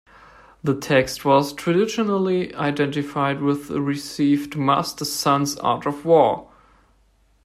This text was traditionally identified with the received "Master Sun's Art of War".